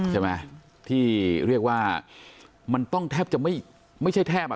ใช่ไหมที่เรียกว่ามันต้องแทบจะไม่ใช่แทบอ่ะ